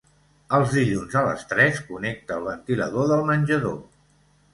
Els dilluns a les tres connecta el ventilador del menjador.